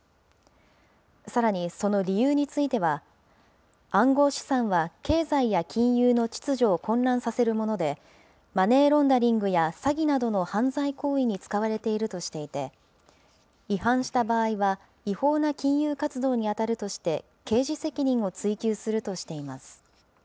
さらに、その理由については、暗号資産は経済や金融の秩序を混乱させるもので、マネーロンダリングや詐欺などの犯罪行為に使われているとしていて、違反した場合は、違法な金融活動に当たるとして、刑事責任を追及するとしています。